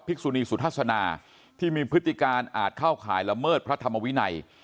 กษุนีสุทัศนาที่มีพฤติการอาจเข้าข่ายละเมิดพระธรรมวินัย